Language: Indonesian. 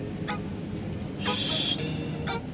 ini sudah jam dua belas